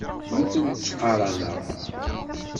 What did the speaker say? Ur tent-ttqaraneɣ.